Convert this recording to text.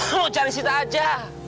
mau cari sita aja